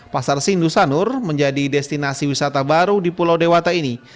pasar sindu sanur menjadi destinasi wisata baru di pulau dewata ini